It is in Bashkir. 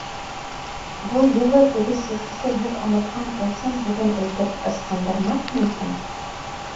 Был юлы теге сихырсы һеҙ онотҡан тылсым һүҙен әйтеп ыскындырмаҫмы икән?